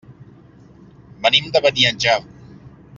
Venim de Beniatjar.